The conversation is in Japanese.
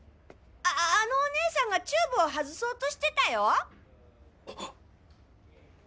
ああのお姉さんがチューブを外そうとしてたよ。